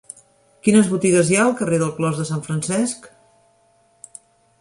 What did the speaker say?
Quines botigues hi ha al carrer del Clos de Sant Francesc?